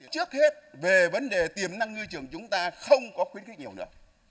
trước hết về vấn đề tiềm năng ngư trường chúng ta không có khuyến khích nhiều nữa